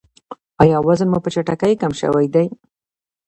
ایا وزن مو په چټکۍ کم شوی دی؟